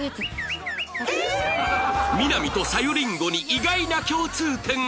みな実とさゆりんごに意外な共通点が